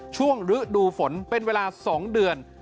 ช่วงฤดูฝนเป็นเวลา๒เดือน